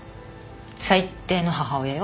最低の母親よ。